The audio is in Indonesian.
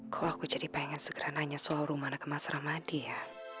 kok aku jadi pengen segera nanya soal rumahnya ke mas ramadi ya